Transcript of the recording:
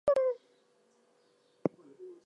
"Oh My Sweet Carolina" has been covered at least twice.